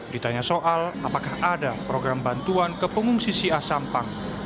ditanya soal apakah ada program bantuan ke pengungsi siasampang